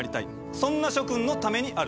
そんな諸君のためにある。